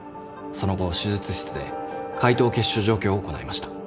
その後手術室で開頭血腫除去を行いました。